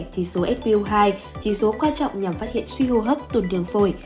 chỉ số fu hai chỉ số quan trọng nhằm phát hiện suy hô hấp tùn thường phổi